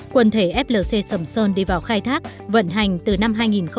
quần thể flc sầm sơn đi vào khai thác vận hành từ năm hai nghìn một mươi